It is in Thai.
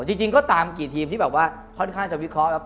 จริงก็ตามกี่ทีมที่แบบว่าค่อนข้างจะวิเคราะห์